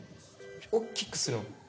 大きくするん？